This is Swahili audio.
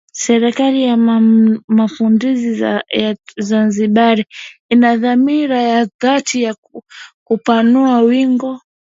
Serikali ya Mapinduzi ya Zanzibar ina dhamira ya dhati ya kupanua wigo